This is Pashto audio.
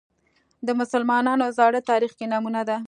د مسلمانانو زاړه تاریخ کې نمونه ده